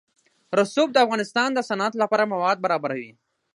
رسوب د افغانستان د صنعت لپاره مواد برابروي.